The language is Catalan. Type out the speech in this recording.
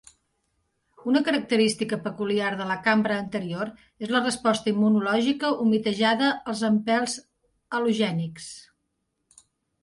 Una característica peculiar de la cambra anterior és la resposta immunològica humitejada als empelts al·logènics.